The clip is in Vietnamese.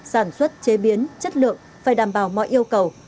sản xuất chế biến chất lượng phải đảm bảo mọi yêu cầu